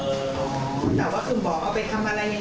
แต่ว่าคุณบอกเขาเป็นคำอะไรอย่างไร